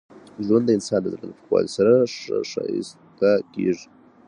ژوند د انسان د زړه له پاکوالي سره ښایسته کېږي.